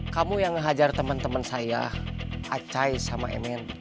kamu yang ngehajar temen temen saya acai sama emin